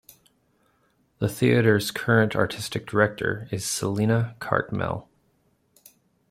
The theatre's current artistic director is Selina Cartmell.